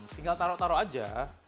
tinggal taruh taruh aja